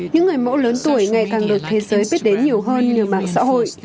những người mẫu lớn tuổi ngày càng được thế giới biết đến nhiều hơn nhờ mạng xã hội